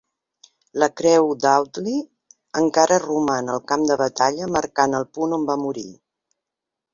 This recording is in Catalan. La creu d'Audley encara roman al camp de batalla marcant el punt on va morir.